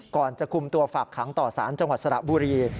ก่อนจะคุมตัวฝากขังต่อสารจังหวัดสระบุรี